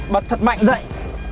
bật thật mạnh dậy